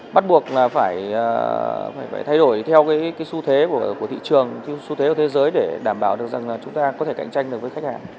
bắt buộc phải thay đổi theo xu thế của thị trường xu thế của thế giới để đảm bảo chúng ta có thể cạnh tranh với khách hàng